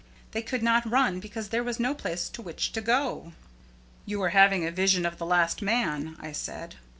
They could not run because there was no place to which to go." "You were having a vision of the last man," I said.